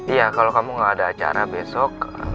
iya kalau kamu gak ada acara besok